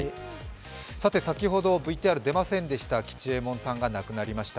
先ほどＶＴＲ出ませんでした、吉右衛門さんが亡くなりました。